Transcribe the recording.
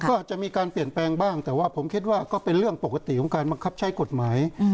ก็จะมีการเปลี่ยนแปลงบ้างแต่ว่าผมคิดว่าก็เป็นเรื่องปกติของการบังคับใช้กฎหมาย